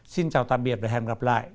xin chào tạm biệt và hẹn gặp lại